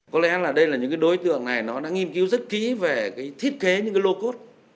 có lẽ là đây là những cái đối tượng này nó đã nghiên cứu rất kỹ về cái thiết kế những cái lô cốt